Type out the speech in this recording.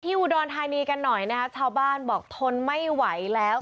อุดรธานีกันหน่อยนะคะชาวบ้านบอกทนไม่ไหวแล้ว